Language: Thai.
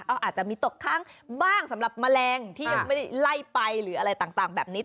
ก็อาจจะมีตกค้างบ้างสำหรับแมลงที่ยังไม่ได้ไล่ไปหรืออะไรต่างแบบนี้